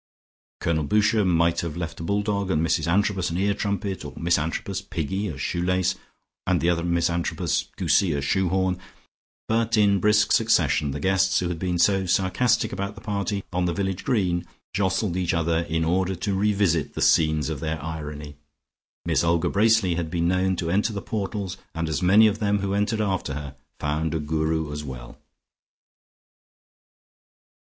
Colonel Boucher might have left a bull dog, and Mrs Antrobus an ear trumpet, or Miss Antrobus (Piggy) a shoe lace, and the other Miss Antrobus (Goosie) a shoe horn: but in brisk succession the guests who had been so sarcastic about the party on the village green, jostled each other in order to revisit the scenes of their irony. Miss Olga Bracely had been known to enter the portals, and as many of them who entered after her, found a Guru as well.